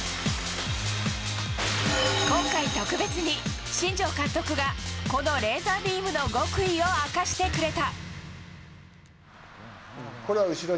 今回特別に、新庄監督がこのレーザービームの極意を明かしてくれた。